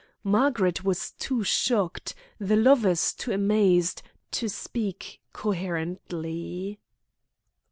Margaret was too shocked, the lovers too amazed, to speak coherently.